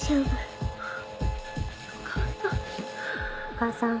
お母さん